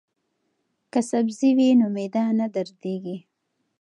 که سبزی وي نو معده نه دردیږي.